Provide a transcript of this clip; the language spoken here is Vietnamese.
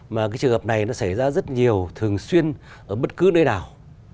mà cái trường hợp này nó xảy ra rất nhiều thường xuyên ở bất cứ nơi nào